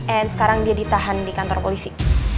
and sekarang dia ditahan di kantor polisi